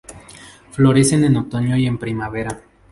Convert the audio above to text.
Florecen en otoño y en primavera.